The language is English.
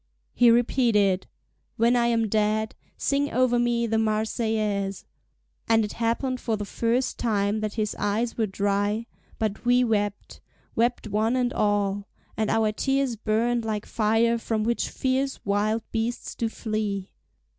He repeated: "When I am dead sing over me the Marseillaise." And it happened for the first time that his eyes were dry, but we wept, wept one and all: and our tears burned like fire from which fierce wild beasts do flee.